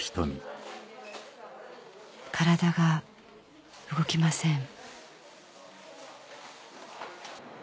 体が動きません